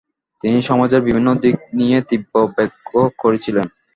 তিনি সমাজের বিভিন্ন দিক নিয়ে তীব্র ব্যঙ্গ করেছিলেন।